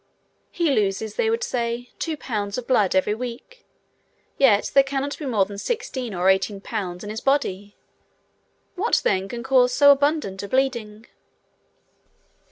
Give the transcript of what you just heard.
He loses, they would say, two pounds of blood every week; yet there cannot be more than sixteen or eighteen pounds in his body. What, then, can cause so abundant a bleeding?